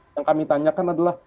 yang kami tanyakan adalah